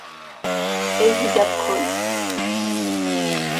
এই হিজাব খোল।